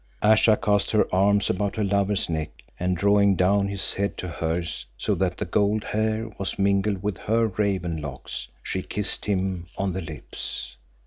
Ayesha cast her arms about her lover's neck and drawing down his head to hers so that the gold hair was mingled with her raven locks, she kissed him on the lips.